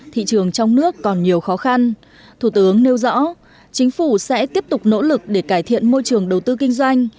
thị trường trong nước còn nhiều khó khăn thủ tướng nêu rõ chính phủ sẽ tiếp tục nỗ lực để cải thiện môi trường đầu tư kinh doanh